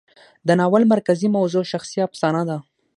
د ناول مرکزي موضوع شخصي افسانه ده.